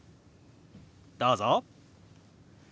どうぞ。